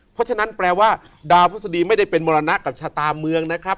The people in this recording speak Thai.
เพราะฉะนั้นแปลว่าดาวพฤษฎีไม่ได้เป็นมรณะกับชะตาเมืองนะครับ